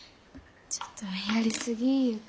ちょっとやりすぎいうか。